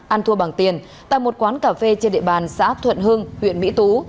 ăn thua bằng tiền tại một quán cà phê trên địa bàn xã thuận hưng huyện mỹ tú